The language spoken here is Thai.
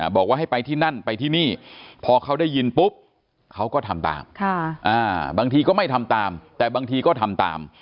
บอกว่าให้ไปที่นั่นไปที่นี่พอเขาได้ยินปุ๊บเขาก็ทำตามบางทีก็ไม่ทำตามแต่บางทีก็ทำตาม